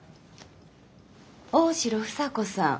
大城房子さん。